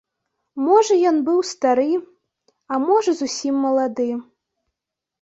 Можа ён быў стары, а можа зусім малады.